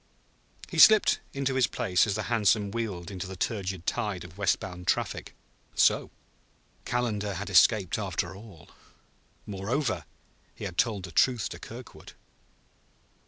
He slipped into his place as the hansom wheeled into the turgid tide of west bound traffic. So Calendar had escaped, after all! Moreover, he had told the truth to Kirkwood.